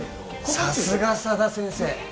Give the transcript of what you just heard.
さすが佐田先生